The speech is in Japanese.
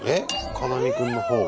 カナミくんの方が？